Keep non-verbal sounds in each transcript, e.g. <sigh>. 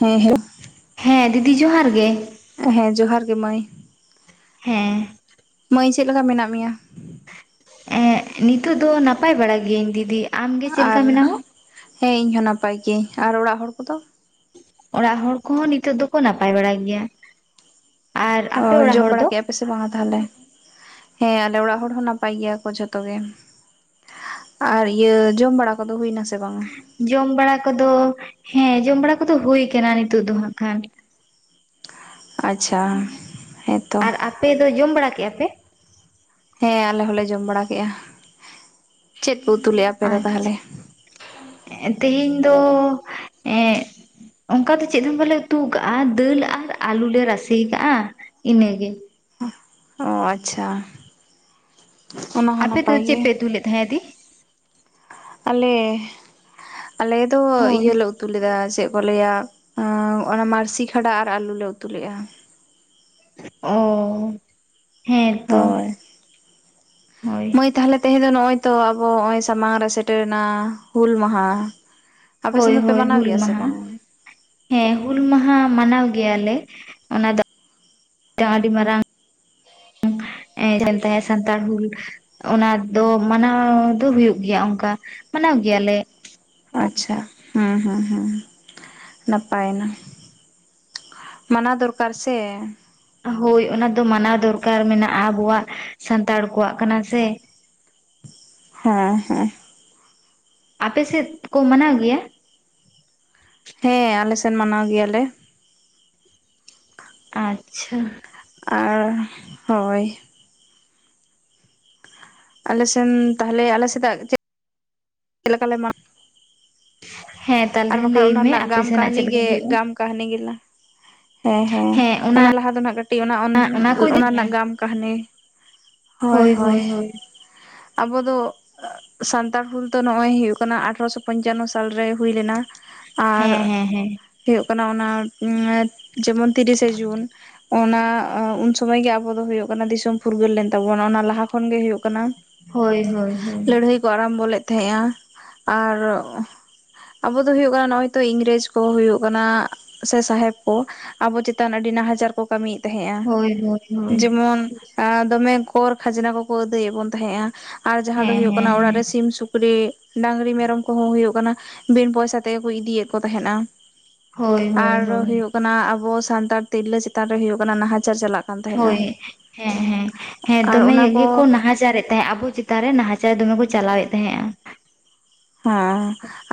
ᱦᱮᱸ ᱦᱮᱞᱳ ᱦᱮᱸ ᱫᱤᱫᱤ ᱡᱚᱦᱟᱨ ᱜᱮ ᱦᱮᱸ ᱡᱚᱦᱟᱨ ᱜᱮ ᱢᱟᱹᱭ ᱦᱮᱸ ᱢᱟᱹᱭ ᱪᱮᱜ ᱞᱮᱠᱟ ᱢᱮᱱᱟᱜ ᱢᱮᱭᱟ ᱱᱤᱛᱳᱜ ᱫᱚ ᱱᱟᱯᱟᱭ ᱵᱟᱲᱟ ᱜᱤᱭᱟᱹᱟᱹᱧ ᱫᱤᱫᱤ ᱟᱢᱜᱮ ᱪᱮᱫ ᱞᱮᱠᱟ ᱟᱨ ᱢᱮᱱᱟᱢᱟ? ᱦᱮᱸ ᱤᱧ ᱦᱚ ᱱᱟᱯᱟᱭ ᱜᱤᱭᱟᱹᱧ ᱟᱨ ᱚᱲᱟᱜ ᱦᱚᱲ ᱠᱚᱫᱚ ᱚᱲᱟᱜ ᱦᱚᱲ ᱠᱚᱦᱚᱸ ᱱᱤᱛᱚᱜ ᱫᱚ ᱠᱚ ᱱᱟᱯᱟᱭ ᱵᱟᱲᱟ ᱜᱮᱭᱟ᱾ ᱟᱨ ᱚᱻ ᱟᱯᱮ ᱚᱲᱟᱜ ᱡᱚᱢ ᱦᱚᱲ ᱫᱚ? ᱵᱟᱲᱟᱟ ᱠᱮᱵ ᱵᱮᱥᱮ ᱵᱟᱝᱟ ᱛᱟᱦᱚᱞᱮ? ᱦᱮᱸ ᱟᱞᱮ ᱚᱲᱟᱜ ᱦᱚᱲ ᱦᱚᱸ ᱱᱟᱯᱟᱭ ᱜᱮᱭᱟ ᱠᱚ ᱡᱷᱚᱛᱚ ᱜᱮ᱾ ᱟᱨ ᱤᱭᱟᱹᱻ ᱡᱚᱢ ᱵᱟᱲᱟ ᱠᱚᱫᱚ ᱦᱩᱭᱱᱟ ᱥᱮ ᱵᱟᱝᱼᱟ? ᱡᱚᱢ ᱵᱟᱲᱟ ᱠᱚᱫᱚ, ᱦᱮᱸ ᱡᱚᱢ ᱵᱟᱲᱟ ᱠᱚᱫᱚ ᱦᱩᱭ ᱠᱟᱱᱟ ᱱᱤᱛᱳᱜ ᱫᱚ ᱦᱟᱸᱜ ᱠᱷᱟᱱ᱾ ᱟᱪᱪᱷᱟᱻ, ᱦᱮᱸᱛ ᱟᱨ ᱟᱯᱮ ᱫᱚ ᱡᱚᱢ ᱵᱟᱲᱟ ᱠᱮᱜ ᱟᱯᱮ? ᱦᱮᱸ ᱟᱞᱮ ᱦᱚᱞᱮ ᱡᱚᱢ ᱵᱟᱲᱟ ᱠᱮᱜᱼᱟ, ᱪᱮᱫ ᱯᱮ ᱩᱛᱩ ᱞᱮᱜ-ᱟ? ᱟᱪᱪᱷᱟ ᱛᱮᱦᱮᱧ ᱫᱚ ᱮᱸᱜ ᱚᱱᱠᱟ ᱫᱚ ᱪᱮᱫ ᱦᱚᱸ ᱵᱟᱞᱮ ᱩᱛᱩ ᱠᱟᱜᱼᱟ ᱫᱟᱹᱞ ᱟᱨ ᱟᱞᱩ ᱞᱮ ᱨᱟᱥᱮ ᱠᱟᱜᱼᱟ ᱤᱱᱟᱹᱜᱮ᱾ ᱚ ᱟᱪᱪᱷᱟ, ᱚᱱᱟ ᱦᱚᱸ ᱟᱯᱮ ᱫᱚ ᱱᱟᱯᱟᱭ ᱜᱮ᱾ ᱪᱮᱫ ᱯᱮ ᱩᱛᱩ ᱞᱮᱫ ᱛᱟᱦᱮᱸᱫ ᱫᱤ? ᱟᱞᱮ ᱟᱞᱮ ᱫᱚ ᱦᱳᱭ ᱤᱭᱟᱹᱞᱮ ᱩᱛᱩ ᱞᱮᱫᱟ ᱪᱮᱫ ᱠᱚ ᱞᱟᱹᱭᱟ ᱟᱸᱻᱚᱱᱟ ᱢᱟᱨᱥᱤ ᱠᱷᱟᱰᱟ ᱟᱨ ᱟᱞᱩ ᱞᱮ ᱩᱛᱩ ᱞᱮᱫᱟ᱾ ᱚᱸᱻ ᱦᱳᱭ ᱦᱳᱭ ᱢᱟᱹᱭ ᱛᱟᱦᱚᱞᱮ ᱛᱮᱦᱮᱱ ᱫᱚ ᱱᱚᱜ ᱚᱭ ᱛᱚ ᱟᱵᱚ ᱦᱚᱜ ᱚᱭ ᱥᱟᱢᱟᱝ ᱨᱮ ᱥᱮᱴᱮᱨᱮᱱᱟ ᱦᱩᱞ ᱢᱟᱦᱟ᱾ ᱟᱯᱮ ᱥᱮᱱ ᱦᱳᱭ ᱫᱚ ᱯᱮ ᱦᱳᱭ ᱢᱟᱱᱟᱣ ᱦᱩᱞ ᱜᱮᱭᱟ ᱥᱮ ᱢᱟᱦᱟ ᱵᱟᱝ? ᱦᱮᱸ, ᱦᱩᱞ ᱢᱟᱦᱟ ᱢᱟᱱᱟᱣ ᱜᱮᱭᱟᱞᱮ, ᱚᱱᱟ ᱫᱚ ᱟᱹᱰᱤ ᱢᱟᱨᱟᱝ ᱮ <unintelligible> ᱥᱟᱱᱛᱟᱲ ᱦᱩᱞ- ᱚᱱᱟ ᱫᱚ ᱢᱟᱱᱟᱣᱻ ᱫᱚ ᱦᱩᱭᱩᱜ ᱜᱮᱭᱟ ᱚᱱᱠᱟ ᱢᱟᱱᱟᱣ ᱜᱮᱭᱟᱞᱮ᱾ ᱟᱪᱪᱷᱟ, ᱦᱩᱸ ᱦᱩᱸ ᱦᱩᱸ, ᱱᱟᱯᱟᱭ ᱮᱱᱟ᱾ ᱢᱟᱱᱟᱣ ᱫᱚᱨᱠᱟᱨ ᱥᱮ᱾ ᱦᱳᱭ, ᱚᱱᱟ ᱫᱚ ᱢᱟᱱᱟᱣ ᱫᱚᱨᱠᱟᱨ ᱢᱮᱱᱟᱜᱼᱟ ᱟᱵᱚᱣᱟᱜ ᱥᱟᱱᱛᱟᱲ ᱠᱚᱣᱟᱜ ᱠᱟᱱᱟ ᱥᱮ᱾ ᱦᱮᱸ, ᱦᱮᱸ᱾ ᱟᱯᱮ ᱥᱮᱫ ᱠᱚ ᱢᱟᱱᱟᱣ ᱜᱮᱭᱟ? ᱦᱮᱸ, ᱟᱞᱮ ᱥᱮᱱ ᱢᱟᱱᱟᱣ ᱜᱮᱭᱟᱞᱮ᱾ ᱟᱪᱪᱷᱟ᱾ ᱟᱨ, ᱦᱳᱭ᱾ ᱟᱞᱮᱥᱮᱱ, ᱛᱟᱦᱚᱞᱮ ᱟᱞᱮᱥᱮᱫᱟᱜ ᱪᱮ ᱞᱮᱠᱟᱞᱮ ᱢᱟᱜ ᱦᱮᱸ ᱟᱨ ᱛᱟᱦᱚᱞᱮ ᱵᱟᱠᱷᱟᱱ ᱞᱟᱹᱭ ᱚᱱᱟ ᱢᱮ ᱨᱮᱱᱟᱜ ᱟᱯᱮ ᱜᱟᱢ ᱥᱮᱱᱟᱜ ᱠᱟᱹᱦᱱᱤ ᱪᱮᱫ ᱞᱮᱠᱟ ᱜᱮ ᱦᱩᱭᱩᱜᱼᱟ ᱜᱟᱢ ᱠᱟᱹᱦᱱᱤ ᱜᱮ ᱞᱟᱝ ᱦᱮᱸ ᱦᱮᱸ, ᱚᱱᱟ ᱞᱟᱦᱟ ᱫᱚ ᱱᱟᱜ ᱠᱟᱹᱴᱤᱡ ᱚᱱ ᱠᱚ ᱤᱫᱤ ᱚᱱᱟ ᱨᱮᱱᱟᱜ ᱜᱟᱢ ᱠᱟᱦᱤᱱᱤ ᱦᱚᱭ, ᱦᱳᱭ ᱦᱚᱭ᱾ ᱦᱳᱭ ᱦᱳᱭ ᱟᱵᱚ ᱫᱚ, ᱥᱟᱱᱛᱟᱲ ᱦᱩᱞ ᱛᱚ ᱱᱚᱜᱚᱭ ᱦᱩᱭᱩᱜ ᱠᱟᱱᱟ ᱟᱴᱷᱨᱚᱥᱚ ᱯᱚᱧᱪᱟᱱᱱᱚ ᱥᱟᱞ ᱨᱮ ᱦᱩᱭ ᱞᱮᱱᱟ ᱟᱨ ᱦᱮᱸ ᱦᱮᱸ ᱦᱮᱸ ᱦᱩᱭᱩᱜ ᱠᱟᱱᱟ ᱚᱱᱟ ᱡᱮᱢᱚᱱ ᱛᱤᱨᱤᱥᱮ ᱡᱩᱱ᱾ ᱚᱱᱟ ᱩᱱ ᱥᱚᱢᱟᱹᱭ ᱜᱮ ᱟᱵᱚ ᱫᱚ ᱦᱩᱭᱩᱜ ᱠᱟᱱᱟ ᱫᱤᱥᱚᱢ ᱯᱷᱩᱨᱜᱟᱹᱞ ᱞᱮᱱ ᱛᱟᱵᱚᱱ ᱚᱱᱟ ᱞᱟᱦᱟ ᱠᱷᱚᱱᱜ ᱜᱮ ᱦᱩᱭᱩᱜᱜ ᱠᱟᱱᱟ ᱦᱳᱭ, ᱦᱳᱭ, ᱦᱳᱭ᱾ ᱞᱟᱹᱲᱦᱟᱹᱭ ᱠᱚ ᱟᱨᱟᱢᱵᱚ ᱞᱮᱫ ᱛᱟᱦᱮᱸᱟ ᱟᱨ ᱟᱵᱚ ᱫᱚ ᱦᱩᱭᱩᱜ ᱠᱟᱱᱟ ᱱᱚᱜ ᱚᱭ ᱛᱚ ᱤᱝᱨᱮᱡᱽ ᱠᱚ ᱦᱩᱭᱩᱜ ᱠᱟᱱᱟ ᱥᱮ ᱥᱟᱦᱮᱵᱽ ᱠᱚ ᱟᱵᱚ ᱪᱮᱛᱟᱱ ᱟᱹᱰᱤ ᱱᱟᱦᱟᱪᱟᱨ ᱠᱚ ᱠᱟᱹᱢᱤᱭᱮᱫ ᱛᱟᱦᱮᱸᱼᱟ, ᱦᱳᱭ ᱦᱳᱭ ᱦᱳᱭ ᱡᱮᱢᱚᱱ ᱫᱚᱢᱮ ᱠᱚᱨ ᱠᱷᱟᱡᱽᱱᱟ ᱠᱚᱠᱚ ᱟᱹᱫᱟᱹᱭᱮᱫ ᱵᱚᱱ ᱛᱟᱦᱮᱸᱜᱼᱟ ᱟᱨ ᱡᱟᱦᱟᱸ ᱫᱚ ᱦᱮᱸ ᱦᱩᱭᱩᱜ ᱦᱮᱸ ᱠᱟᱱᱟ ᱚᱲᱟᱜ ᱦᱮᱸ ᱨᱮ ᱥᱤᱢ ᱥᱩᱠ ᱨᱤ ᱰᱟᱝᱨᱤ ᱢᱮᱨᱚᱢ ᱠᱚᱦᱚᱸ ᱦᱩᱭᱩᱜ ᱠᱟᱱᱟ, ᱵᱤᱱ ᱯᱚᱭᱥᱟ ᱛᱮᱜᱮ ᱠᱚ ᱤᱫᱤᱭᱮ ᱠᱚ ᱛᱟᱦᱮᱸᱫᱼᱟ᱾ ᱦᱳᱭ ᱟᱨ ᱦᱳᱭ ᱦᱳᱭ ᱦᱩᱭᱩᱜ ᱠᱟᱱᱟ ᱟᱵᱚ ᱥᱟᱱᱛᱟᱲ ᱛᱤᱨᱞᱟᱹ ᱪᱮᱛᱟᱱ ᱨᱮ ᱦᱩᱭᱩᱜ ᱠᱟᱱᱟ ᱱᱟᱦᱟᱪᱟᱨ ᱪᱟᱞᱟᱜ ᱠᱟᱱ ᱛᱟᱦᱮᱸᱱᱟ ᱦᱳᱭ ᱦᱮᱸ ᱦᱮᱸ ᱦᱮᱸ ᱟᱨ ᱫᱚᱢᱮ ᱚᱱᱟ ᱧᱟᱜ ᱜᱮ ᱠᱚ ᱱᱟᱦᱟᱪᱟᱨᱮᱫ ᱛᱮ ᱟᱵᱚ ᱪᱮᱛᱟᱱ ᱨᱮ ᱱᱟᱦᱟᱪᱟᱨ ᱫᱚᱢᱮ ᱠᱚ ᱪᱟᱞᱟᱣᱮᱫ ᱛᱟᱦᱮᱸᱜᱼᱟ᱾ ᱦᱮᱸ,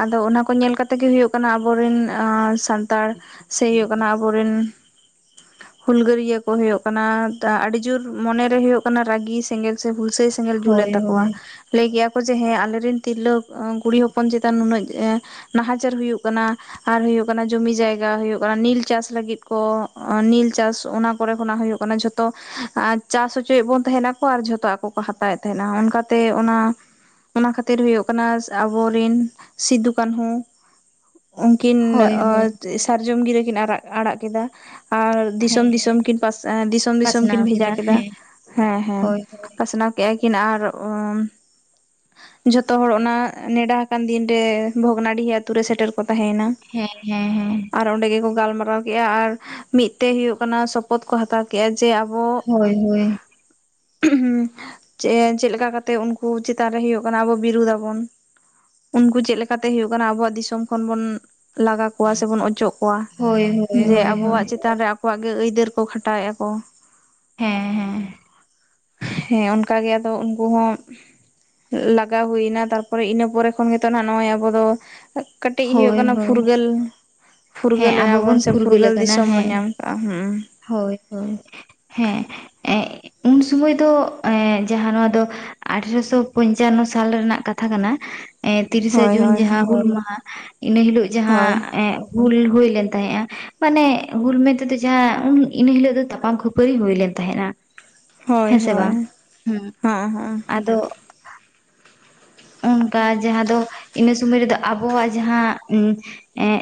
ᱟᱫᱚ ᱚᱱᱟ ᱠᱚ ᱧᱮᱞ ᱠᱟᱛᱮᱜ ᱜᱮ ᱦᱩᱭᱩᱜ ᱠᱟᱱᱟ ᱟᱵᱚᱨᱮᱱ ᱥᱟᱱᱛᱟᱲ ᱥᱮ ᱦᱩᱭᱩᱜ ᱠᱟᱱᱟ ᱟᱵᱚ ᱨᱮᱱ ᱦᱩᱞᱜᱟᱹᱨᱭᱟᱹ ᱠᱚ ᱦᱩᱭᱩᱜ ᱠᱟᱱᱟ ᱟᱹᱰᱤ ᱡᱳᱨ ᱢᱚᱱᱮᱨᱮ ᱦᱳᱭᱜ ᱠᱟᱱᱟ ᱨᱟᱹᱜᱤ ᱥᱮᱸᱜᱮᱞ ᱥᱮ ᱦᱩᱞᱥᱟᱹᱭ ᱥᱮᱸ ᱥᱮᱸᱜᱮᱞ ᱡᱩᱞ ᱮᱱ ᱦᱳᱭ ᱦᱳᱭ ᱛᱟᱠᱚᱣᱟ ᱞᱟᱹᱭ ᱠᱮᱭᱟ ᱠᱚ ᱡᱮ ᱦᱮᱸ ᱟᱞᱮᱨᱮᱱ ᱛᱤᱨᱞᱟᱹ ᱠᱩᱲᱤ ᱦᱚᱯᱚᱱ ᱪᱮᱛᱟᱱ ᱱᱩᱱᱟᱹᱜ ᱱᱟᱦᱟᱪᱟᱨ ᱦᱩᱭᱩᱜ ᱠᱟᱱᱟ ᱟᱨ ᱦᱩᱭᱩᱜ ᱠᱟᱱᱟ ᱡᱩᱢᱤ ᱡᱟᱭᱜᱟ ᱦᱩᱭᱩᱜ ᱠᱟᱱᱟ ᱱᱤᱞ ᱪᱟᱥ ᱞᱟᱹᱜᱤᱫ ᱠᱚ ᱱᱤᱞ ᱪᱟᱥ ᱚᱱᱟ ᱠᱚᱨᱮ ᱠᱷᱚᱱᱟᱜ ᱦᱩᱭᱩᱜ ᱠᱟᱱᱟ ᱡᱚᱛᱚ ᱛᱚ ᱪᱟᱥ ᱚᱪᱚᱭᱮᱫ ᱵᱚᱱ ᱛᱟᱸᱦᱮᱱᱟᱠᱚ ᱟᱨ ᱡᱷᱚᱛᱚ ᱟᱠᱚ ᱠᱚ ᱦᱟᱛᱟᱣᱮᱫ ᱛᱟᱦᱮᱸᱱᱟ ᱚᱱᱠᱟᱛᱮ ᱚᱱᱟ, ᱚᱱᱟ ᱠᱷᱟᱹᱛᱤᱨ ᱦᱩᱭᱩᱜ, ᱟᱵᱚᱨᱮᱱ ᱥᱤᱫᱩ ᱠᱟᱹᱱᱦᱩ ᱩᱱᱠᱤᱱ ᱦᱳᱭ ᱦᱳᱭ ᱥᱟᱨᱡᱚᱢ ᱜᱤᱨᱟᱹ ᱠᱤᱱ ᱟᱨᱟᱜ ᱟᱲᱟᱜ ᱠᱮᱫᱟ ᱟᱨ ᱦᱮᱸ ᱫᱤᱥᱚᱢ ᱫᱤᱥᱚᱢ ᱦᱮᱸ ᱠᱤᱱ ᱯᱟᱥ ᱫᱤᱥᱚᱢ ᱫᱤᱥᱚᱢ ᱠᱤᱱ ᱯᱟᱥᱱᱟᱣ ᱵᱷᱮᱡᱟ ᱠᱮᱫᱟ ᱦᱮᱸ ᱦᱮᱸ ᱦᱮᱸ ᱦᱳᱭ ᱦᱳᱭ ᱯᱟᱥᱱᱟᱣ ᱠᱮᱫᱼᱟ ᱠᱤᱱ ᱟᱨ ᱩᱱ ᱡᱚᱛᱚ ᱦᱚᱲ ᱚᱱᱟ ᱱᱮᱸᱰᱟ ᱟᱠᱟᱱ ᱫᱤᱱ ᱨᱮ ᱵᱷᱚᱜᱽᱱᱟᱰᱤ ᱟᱛᱳ ᱨᱮ ᱥᱮᱴᱮᱨ ᱠᱚ ᱛᱟᱦᱮᱸᱭᱮᱱᱟ ᱦᱮᱸ ᱦᱮᱸ ᱦᱮᱸ ᱟᱨ ᱚᱸᱰᱮ ᱜᱮᱠᱚ ᱜᱟᱞᱢᱟᱨᱟᱣ ᱠᱮᱫᱼᱟ ᱟᱨ ᱢᱤᱫ ᱛᱮ ᱦᱩᱭᱩᱜ ᱠᱟᱱᱟ ᱥᱚᱯᱚᱫᱷ ᱠᱚ ᱦᱟᱛᱟᱣ ᱠᱮᱜᱼᱟ ᱡᱮ ᱟᱵᱚ ᱦᱳᱭ ᱦᱳᱭ ᱪᱮᱫ ᱞᱮᱠᱟ ᱠᱟᱛᱮᱜ ᱩᱱᱠᱩ ᱪᱮᱛᱟᱱ ᱨᱮ ᱦᱩᱭᱩᱜ ᱠᱟᱱᱟ ᱟᱵᱚ ᱵᱤᱨᱳᱫᱽ ᱟᱵᱚᱱ ᱩᱱᱠᱩ ᱪᱮᱫ ᱞᱮᱠᱟ ᱛᱮ ᱦᱳᱭᱩᱜ ᱠᱟᱱᱟ ᱟᱵᱚᱣᱟᱜ ᱫᱤᱥᱚᱢ ᱠᱷᱚᱱ ᱵᱩᱱ ᱞᱟᱜᱟ ᱠᱚᱣᱟ ᱥᱮᱵᱚᱱ ᱚᱪᱚᱜ ᱠᱚᱣᱟ ᱦᱳᱭ ᱦᱳᱭ ᱡᱮ ᱦᱳᱭ ᱦᱳᱭ ᱟᱵᱚᱣᱟᱜ ᱪᱮᱛᱟᱱ ᱨᱮ ᱟᱠᱚᱣᱟᱜ ᱜᱮ ᱟᱹᱭᱫᱟᱹᱨ ᱠᱚ ᱠᱷᱟᱴᱟᱣᱮᱫᱼᱟ ᱠᱚ ᱦᱮᱸ ᱦᱮᱸ ᱦᱮᱸ ᱚᱱᱠᱟᱜᱮ ᱟᱫᱚ ᱩᱱᱠᱩ ᱦᱚᱸ ᱞᱟᱠ ᱜᱟ ᱦᱩᱭᱮᱱᱟ ᱛᱟᱨᱯᱚᱨᱮ ᱤᱱᱟᱹ ᱯᱚᱨᱮ ᱠᱷᱚᱱ ᱜᱮᱛᱚ ᱱᱚᱜᱼᱚᱭ ᱟᱵᱚ ᱫᱚ ᱠᱟᱹᱴᱤᱡ ᱦᱩᱭᱩᱜ ᱦᱳᱭ ᱠᱟᱱᱟ ᱦᱳᱭ ᱯᱷᱩᱨᱜᱟᱹᱞ ᱦᱮᱸ ᱯᱷᱩᱨᱜᱟᱹᱞ ᱮᱱᱟ ᱟᱵᱚ ᱵᱚᱱ ᱥᱮ ᱯᱷᱩᱨᱜᱟᱹᱞ ᱟᱠᱟᱱᱟ ᱫᱤᱥᱚᱢ ᱵᱚᱱ ᱦᱮᱸ ᱧᱟᱢ ᱠᱟᱜᱼᱟ ᱦᱩᱜᱩᱸᱻ ᱦᱳᱭ ᱦᱳᱭ ᱦᱮᱸ ᱩᱱ ᱥᱚᱢᱚᱭ ᱫᱚ ᱡᱟᱦᱟᱸ ᱱᱚᱣᱟ ᱫᱚ, ᱟᱴᱷᱨᱚᱥᱚ ᱯᱚᱧᱪᱟᱱᱱᱚ ᱥᱟᱞ ᱨᱮᱱᱟᱜ ᱠᱟᱛᱷᱟ ᱠᱟᱱᱟ ᱮᱸ ᱛᱤᱨᱤᱥᱟ ᱦᱳᱭ ᱡᱩᱱ ᱦᱳᱭ ᱡᱟᱦᱟᱸ ᱦᱩᱞ ᱢᱟᱦᱟᱸ ᱤᱱᱟᱹ ᱦᱤᱞᱚᱜ ᱡᱟᱦᱟᱸ ᱦᱳᱭ ᱮᱸ ᱦᱩᱞ ᱦᱩᱭᱞᱮᱱ ᱛᱟᱦᱮᱸᱜᱼᱟ ᱢᱟᱱᱮ ᱦᱩᱞ ᱢᱮᱱ ᱛᱮᱫᱚ ᱡᱟᱦᱟᱸ ᱩᱱ ᱤᱱᱟᱹ ᱦᱤᱞᱚᱜ ᱫᱚ ᱛᱟᱯᱟᱢ ᱠᱷᱟᱹᱯᱟᱹᱨᱤ ᱦᱩᱭ ᱞᱮᱱ ᱛᱟᱦᱮᱸᱫᱼᱟ ᱦᱳᱭ ᱦᱮᱸ ᱥᱮ ᱦᱳᱭ ᱵᱟᱝ ᱦᱩᱸ ᱦᱚᱸ ᱦᱚᱸ ᱟᱫᱚ ᱚᱱᱠᱟ ᱡᱟᱦᱟᱸ ᱫᱚ ᱤᱱᱟᱹ ᱥᱚᱢᱚᱭ ᱨᱮᱫᱚ ᱟᱵᱚᱣᱟᱜ ᱡᱟᱦᱟᱸ ᱮᱜ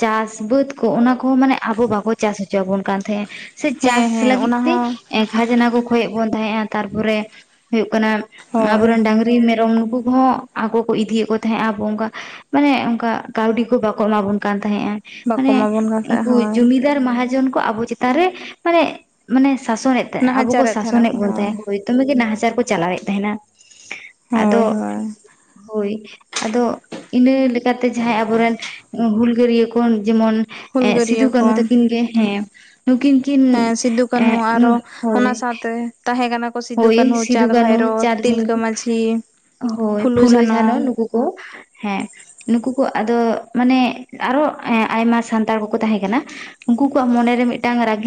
ᱪᱟᱥ ᱵᱟᱹᱫᱽ ᱠᱚ ᱚᱱᱟ ᱠᱚᱦᱚᱸ ᱢᱟᱱᱮ ᱟᱵᱚ ᱵᱟᱠᱚ ᱪᱟᱥ ᱚᱪᱚᱣᱟᱵᱚᱱ ᱠᱟᱱ ᱛᱟᱦᱮᱸᱜ ᱥᱮ ᱦᱮᱸ ᱪᱟᱥ ᱦᱮᱸ ᱞᱟᱹᱜᱤᱫ ᱚᱱᱟ ᱛᱮ ᱦᱚᱸ ᱮ ᱠᱷᱟᱡᱽᱱᱟ ᱠᱚ ᱠᱚᱭᱮᱜ ᱵᱚᱱ ᱛᱟᱦᱮᱸᱜ-ᱟ ᱛᱟᱨᱯᱚᱨᱮ ᱦᱩᱭᱩᱜ ᱠᱟᱱᱟ ᱦᱳᱭ ᱟᱵᱚᱨᱮᱱ ᱰᱟᱝᱨᱤ ᱢᱮᱨᱚᱢ ᱱᱩᱠᱩ ᱠᱚᱦᱚᱸ ᱟᱠᱚ ᱠᱚ ᱤᱫᱤᱭᱮᱫ ᱠᱚ ᱛᱟᱦᱮᱸᱜᱼᱟ ᱟᱵᱚ ᱚᱱᱠᱟ ᱢᱟᱱᱮ ᱚᱱᱠᱟ ᱠᱟᱹᱣᱰᱤ ᱠᱚ ᱵᱟᱠᱚ ᱮᱢᱟ ᱵᱚᱱ ᱠᱟᱱ ᱛᱟᱦᱮᱸᱜᱼᱟ ᱵᱟᱠᱚ ᱢᱟᱱᱮ ᱮᱢᱟᱵᱚᱱ ᱠᱟᱱ ᱛᱟᱦᱮᱸᱫ ᱩᱱᱠᱩ ᱦᱳᱭ ᱡᱚᱢᱤ ᱫᱟᱹᱨ ᱢᱟᱦᱟᱡᱚᱱ ᱠᱚ ᱟᱵᱚ ᱪᱮᱛᱟᱱ ᱨᱮ ᱢᱟᱱᱮ ᱢᱟᱱᱮ ᱥᱟᱥᱚᱱᱮᱫ ᱟᱵᱚ ᱠᱚ ᱱᱟᱦᱟᱪᱟᱨᱮᱫ ᱥᱟᱥᱚᱱᱮᱫ ᱛᱟᱦᱮᱱᱟᱠᱚ ᱵᱚᱱ ᱛᱟᱦᱮᱸᱫ ᱦᱳᱭ ᱫᱚᱢᱮ ᱜᱮ ᱱᱟᱦᱟᱪᱟᱨ ᱠᱚ ᱪᱟᱞᱟᱣᱮᱫ ᱛᱟᱦᱮᱸᱱᱟ ᱦᱳᱭ ᱟᱫᱚ ᱦᱳᱭ ᱦᱳᱭ ᱟᱫᱚ ᱤᱱᱟᱹ ᱞᱮᱠᱟᱛᱮ ᱡᱟᱦᱟᱸᱭ ᱟᱵᱚᱨᱮᱱ ᱦᱩᱞᱜᱟᱹᱨᱤᱭᱟᱹ ᱠᱚ ᱡᱮᱢᱚᱱ ᱥᱤᱫᱩ ᱦᱩᱞᱜᱟᱹᱨᱭᱟᱹ ᱠᱟᱹᱱᱦᱩ ᱠᱚ ᱛᱟᱹᱠᱤᱱ ᱜᱮ ᱦᱮᱸ ᱱᱩᱠᱤᱱ ᱠᱤᱱ ᱦᱮᱸ ᱥᱤᱫᱩ ᱮ ᱠᱟᱹᱱᱦᱩ ᱟᱨᱚ ᱦᱳᱭ ᱚᱱᱟ ᱥᱟᱶᱛᱮ ᱛᱟᱦᱮᱸ ᱠᱟᱱᱟ ᱠᱚ ᱥᱤᱫᱩ ᱦᱳᱭ ᱠᱟᱹᱱᱦᱩ ᱥᱤᱫᱩ ᱪᱟᱸᱫᱽ ᱠᱟᱹᱦᱱᱩ ᱵᱷᱟᱭᱨᱳ ᱪᱟᱸᱫᱽ ᱵᱷᱟᱭᱨᱚ ᱛᱤᱞᱠᱟᱹ ᱢᱟᱹᱡᱷᱤ ᱦᱳᱭ ᱯᱷᱩᱞᱩ ᱯᱷᱩᱞᱳ ᱡᱷᱟᱱᱚ ᱡᱷᱟᱱᱳ ᱱᱩᱠᱩ ᱠᱚ ᱦᱮᱸ ᱱᱩᱠᱩ ᱠᱚ ᱟᱫᱚ ᱢᱟᱱᱮ ᱟᱨᱚ ᱟᱭᱢᱟ ᱥᱟᱱᱛᱟᱲ ᱠᱚᱠᱚ ᱛᱟᱦᱮᱸ ᱠᱟᱱᱟ ᱾ ᱩᱱᱠᱩ ᱠᱚᱣᱟᱜ ᱢᱚᱱᱮᱨᱮ ᱢᱤᱫᱴᱟᱝ ᱨᱟᱹᱜᱤ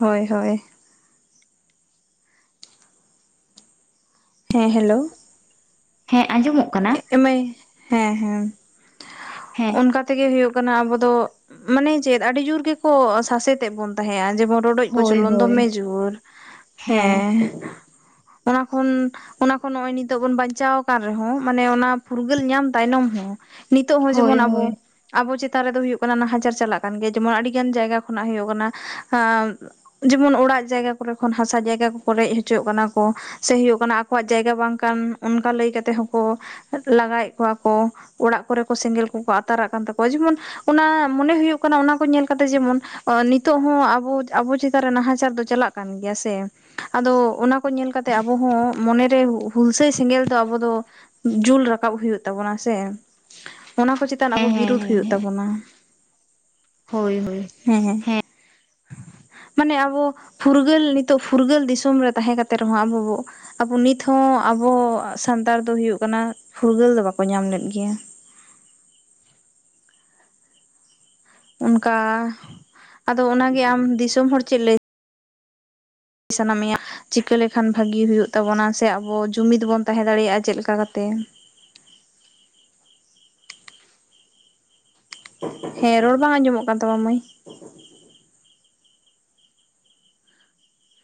ᱦᱳᱭ ᱦᱳᱭ ᱦᱮᱸ ᱦᱮᱞᱳ ᱦᱮᱸ ᱟᱸᱡᱚᱢᱚᱜ ᱠᱟᱱᱟ ᱮᱢᱟᱭ ᱦᱮᱸ ᱦᱮᱸ ᱦᱮᱸ ᱚᱱᱠᱟ ᱛᱮᱜᱮ ᱦᱩᱭᱩᱜ ᱠᱟᱱᱟ ᱟᱵᱚ ᱫᱚ ᱢᱟᱱᱮ ᱪᱮᱫ ᱟᱹᱰᱤ ᱡᱩᱨ ᱜᱮᱠᱚ ᱥᱟᱥᱮᱛ-ᱮᱫ ᱵᱚᱱ ᱛᱟᱦᱮᱸᱫᱼᱟ ᱡᱮᱢᱚᱱ ᱨᱚᱰᱚᱡ ᱦᱳᱭ ᱠᱚᱪᱚᱞᱚᱱ ᱦᱳᱭ ᱫᱚᱢᱮ ᱡᱳᱨ ᱦᱮᱸ ᱚᱱᱟ ᱠᱷᱚᱱ ᱚᱱᱟ ᱠᱷᱚᱱ ᱱᱚᱜᱼᱚᱭ ᱱᱤᱛᱚᱜ ᱵᱚᱱ ᱵᱟᱧᱪᱟᱣ ᱟᱠᱟᱱ ᱨᱮᱦᱚᱸ ᱢᱟᱱᱮ ᱚᱱᱟ ᱯᱷᱩᱨᱜᱟᱹᱞ ᱧᱟᱢ ᱛᱟᱭᱱᱚᱢ ᱦᱚᱸ ᱱᱤᱛᱚᱜ ᱦᱚᱸ ᱦᱳᱭ ᱡᱮᱢᱚᱱ ᱟᱵᱚ ᱦᱳᱭ ᱟᱵᱚ ᱪᱮᱛᱟᱱ ᱨᱮᱫᱚ ᱦᱩᱭᱩᱜ ᱠᱟᱱᱟ ᱱᱟᱦᱟᱪᱟᱨ ᱪᱟᱞᱟᱜ ᱠᱟᱱ ᱜᱮᱭᱟ ᱡᱮᱢᱚᱱ ᱟᱹᱰᱤ ᱜᱟᱱ ᱡᱟᱭᱜᱟ ᱠᱷᱚᱱᱟᱜ ᱦᱩᱭᱩᱜ ᱠᱟᱱᱟ ᱟᱻ ᱡᱮᱢᱚᱱ ᱚᱲᱟᱜ ᱡᱟᱭᱜᱟ ᱠᱚᱨᱮ ᱠᱷᱚᱱ ᱦᱟᱥᱟ ᱡᱟᱭᱜᱟ ᱠᱚ ᱨᱮᱡ ᱦᱚᱪᱚᱜ ᱠᱟᱱᱟ ᱠᱚ ᱥᱮ ᱦᱳᱭᱳᱜ ᱠᱟᱱᱟ ᱟᱠᱚᱣᱟᱜ ᱡᱟᱭᱜᱟ ᱵᱟᱝ ᱠᱟᱱ ᱚᱱᱠᱟ ᱞᱟᱹᱭ ᱠᱟᱛᱮᱫ ᱦᱚᱸ ᱠᱚ ᱞᱟᱜᱟᱭᱮᱫ ᱠᱚᱣᱟ ᱠᱚ ᱚᱲᱟᱜ ᱠᱚᱨᱮ ᱠᱚ ᱥᱮᱸᱜᱮᱞ ᱠᱚᱼᱠᱚ ᱟᱛᱟᱨᱟᱜ ᱠᱟᱱ ᱛᱟᱠᱚᱣᱟ ᱡᱮᱢᱚᱱ ᱚᱱᱟ ᱢᱚᱱᱮ ᱦᱩᱭᱩᱜ ᱠᱟᱱᱟ ᱚᱱᱟ ᱠᱚ ᱧᱮᱞ ᱠᱟᱛᱮᱜ ᱡᱮᱢᱚᱱ ᱱᱤᱛᱚᱜ ᱦᱚᱸ ᱟᱵᱚ, ᱟᱵᱚ ᱪᱮᱛᱟᱱ ᱨᱮ ᱱᱟᱦᱟᱪᱟᱨ ᱫᱚ ᱪᱟᱞᱟᱜ ᱠᱟᱱ ᱜᱮᱭᱟ ᱥᱮ ᱟᱫᱚ ᱚᱱᱟ ᱠᱚ ᱧᱮᱞ ᱠᱟᱛᱮᱜ ᱟᱵᱚ ᱦᱚᱸ ᱢᱚᱱᱮ ᱨᱮ ᱦᱩᱞᱥᱟᱹᱭ ᱥᱮᱸᱜᱮᱞ ᱫᱚ ᱟᱵᱚ ᱫᱚ ᱡᱩᱞ ᱨᱟᱠᱟᱵ ᱦᱩᱭᱩᱜ ᱛᱟᱵᱚᱱᱟ ᱥᱮ ᱚᱱᱟ ᱠᱚ ᱪᱮᱛᱟᱱ ᱟᱵᱚ ᱦᱮᱸ ᱦᱮᱸ ᱵᱤᱨᱩᱫᱽ ᱦᱩᱭᱩᱜ ᱦᱮᱸ ᱛᱟᱵᱚᱱᱟ ᱾ ᱦᱳᱭ ᱦᱳᱭ ᱦᱮᱸ ᱦᱮᱸ ᱢᱟᱱᱮ ᱟᱵᱚ ᱯᱷᱩᱨᱜᱟᱹᱞ ᱱᱤᱛᱟᱹᱜ ᱯᱷᱩᱨᱜᱟᱹᱞ ᱫᱤᱥᱚᱢ ᱨᱮ ᱛᱟᱦᱮᱸ ᱠᱟᱛᱮ ᱨᱮᱦᱚᱸ ᱟᱵᱚ ᱵᱚ ᱟᱵᱚ ᱱᱤᱛ ᱦᱚᱸ ᱟᱵᱚ ᱥᱟᱱᱛᱟᱲ ᱫᱚ ᱦᱳᱭᱳᱜ ᱠᱟᱱᱟ ᱯᱷᱩᱨᱜᱟᱹᱞ ᱫᱚ ᱵᱟᱠᱚ ᱧᱟᱢ ᱞᱮᱫ ᱜᱮᱭᱟ ᱾ ᱚᱱᱠᱟ ᱟᱫᱚ ᱚᱱᱟ ᱜᱮ ᱟᱢ ᱫᱤᱥᱚᱢ ᱦᱚᱲ ᱪᱮᱫ ᱞᱟᱹᱭ ᱥᱟᱱᱟᱢᱮᱭᱟ ᱪᱤᱠᱟᱹ ᱞᱮᱠᱷᱟᱱ ᱵᱷᱟᱜᱤ ᱦᱩᱭᱩᱜ ᱛᱟᱵᱚᱱᱟ ᱥᱮ ᱟᱵᱚ ᱡᱩᱢᱤᱫ ᱵᱚᱱ ᱛᱟᱦᱮᱸ ᱫᱟᱲᱮᱭᱟᱜᱼᱟ ᱪᱮᱫᱞᱮᱠᱟ ᱠᱟᱛᱮ ᱦᱮᱸ ᱨᱚᱲ ᱵᱟᱝ ᱟᱸᱡᱚᱢᱚᱜ ᱠᱟᱱ ᱛᱟᱢᱟ ᱢᱟᱹᱭ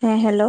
ᱦᱮᱸ ᱦᱮᱞᱳ